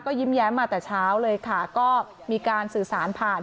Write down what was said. ยิ้มแย้มมาแต่เช้าเลยค่ะก็มีการสื่อสารผ่าน